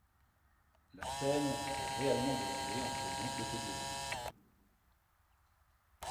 La scène s'est réellement déroulée en présence de Kōgyoku.